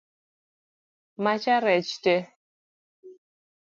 Macha rech tee?